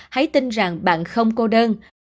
hãy tin rằng bạn không cô đơn